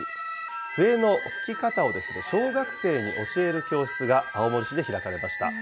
笛の吹き方を小学生に教える教室が、青森市で開かれました。